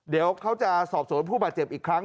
เดี๋ยวเขาจะสอบสวนผู้บาดเจ็บอีกครั้ง